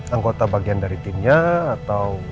anggota bagian dari timnya atau